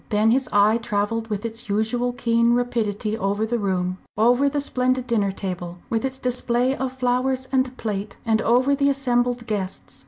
Then his eye travelled with its usual keen rapidity over the room, over the splendid dinner table, with its display of flowers and plate, and over the assembled guests.